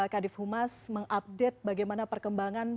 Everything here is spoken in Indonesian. kadif humas mengupdate bagaimana perkembangan